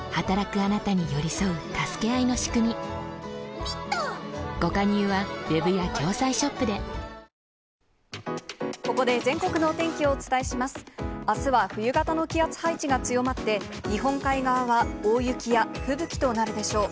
あすは冬型の気圧配置が強まって、日本海側は大雪や吹雪となるでしょう。